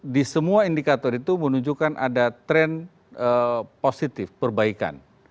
di semua indikator itu menunjukkan ada tren positif perbaikan